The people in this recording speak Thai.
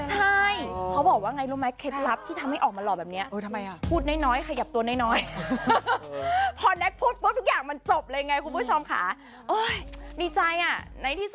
แล้วรออาหารปลาหมดก่อนเดี๋ยวจะมาใหม่